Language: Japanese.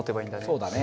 そうだね。